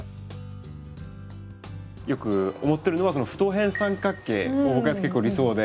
よく思っているのが不等辺三角形が結構、理想で。